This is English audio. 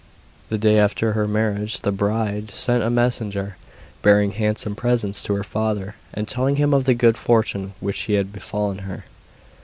The day after her marriage the bride sent a messenger, bearing handsome presents to her father, and telling him of the good fortune which had befallen her.